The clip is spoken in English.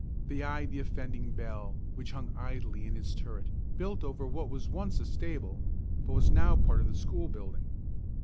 They eyed the offending bell, which hung idly in its turret, built over what was once a stable, but was now part of the school building.